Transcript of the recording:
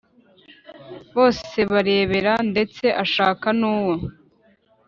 bose barebera, ndetse ashaka n'uwo